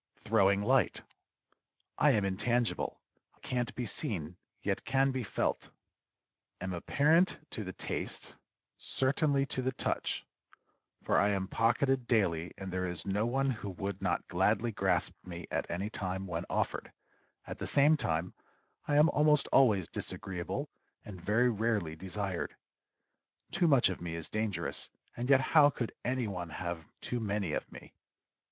THROWING LIGHT. I am intangible; can't be seen, yet can be felt; am apparent to the taste certainly to the touch, for I am pocketed daily, and there is no one who would not gladly grasp me at any time when offered; at the same time, I am almost always disagreeable, and very rarely desired. Too much of me is dangerous, and yet how could any one have too many of me?